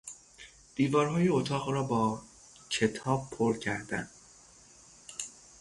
دیوارهای اتاق را باکتاب پر کردن